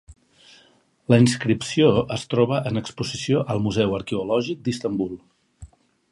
La inscripció es troba en exposició al Museu Arqueològic d'Istanbul.